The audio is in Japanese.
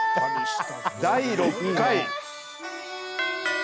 第６回。